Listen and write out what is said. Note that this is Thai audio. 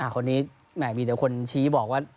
คนนี้แหม่งมีเดี๋ยวคนชี้บอกว่า